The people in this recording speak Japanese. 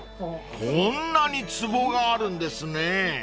［こんなにつぼがあるんですね］